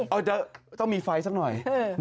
เอาจะต้องมีไฟสักหน่อย